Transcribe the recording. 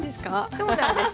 そうなんです。